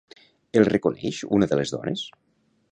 El reconeix una de les dones?